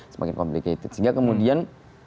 semakin complicated sehingga kemudian